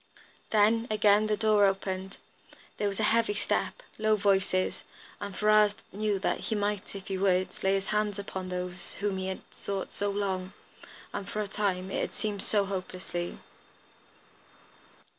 Then, again the door opened, there was a heavy step, low voices, and Ferrars knew that he might, if he would, lay his hand upon those whom he had sought so long, and, for a time, it had seemed, so hopelessly.